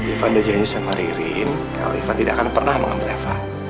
ivan bejahitnya sama ririm kalau ivan tidak akan pernah mengambil eva